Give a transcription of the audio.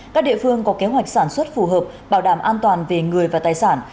các địa phương có kế hoạch sản xuất phù hợp bảo đảm an toàn về người và tài sản